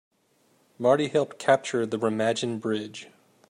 Marty helped capture the Remagen Bridge.